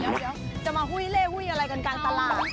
เดี๋ยวจะมาหุ้ยเล่หุ้ยอะไรกันกลางตลาด